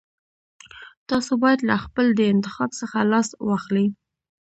تاسو بايد له خپل دې انتخاب څخه لاس واخلئ.